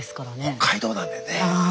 北海道なんでね。